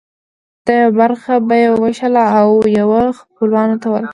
دا یوه برخه به یې وویشله او یوه خپلوانو ته ورکړه.